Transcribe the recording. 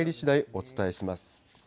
お伝えします。